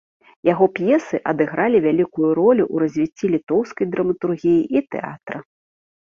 Яго п'есы адыгралі вялікую ролю ў развіцці літоўскай драматургіі і тэатра.